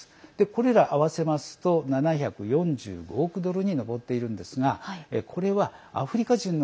これら合わせますと７４５億ドルに上っているんですがこれはアフリカ人の